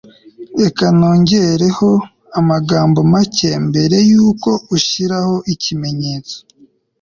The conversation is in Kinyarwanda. reka nongereho amagambo make mbere yuko ushiraho ikimenyetso